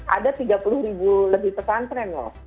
ada tiga puluh ribu lebih pesantren loh